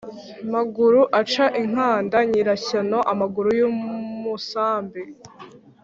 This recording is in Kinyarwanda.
Maguru aca inkanda nyirashyano.-Amaguru y'umusambi.